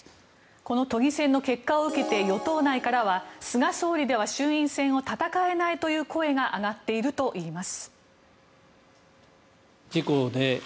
この都議選の結果を受けて与党内からは菅総理では衆院選を闘えないという声が上がっているといいます。